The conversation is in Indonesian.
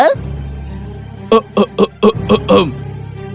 kami mulai khawatir tentang keberadaanmu raja